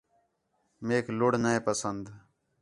میک لُڑھ نے پسند